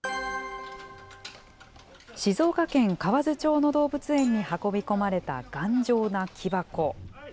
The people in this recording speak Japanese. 静岡県河津町の動物園に運び込まれた頑丈な木箱。